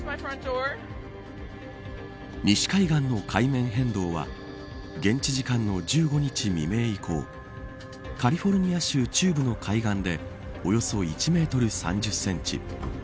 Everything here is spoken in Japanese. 西海岸の海面変動は現地時間の１５日未明以降カリフォルニア州中部の海岸でおよそ１メートル３０センチ。